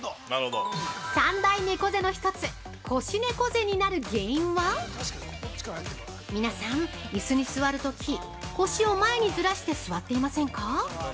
◆３大猫背の１つ「腰猫背」になる原因は皆さん、椅子に座るとき腰を前にずらして座っていませんか？